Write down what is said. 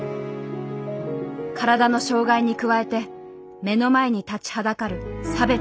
体の障害に加えて目の前に立ちはだかる差別。